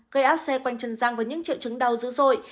gây áp xe quanh chân răng với những triệu chứng đau dữ dội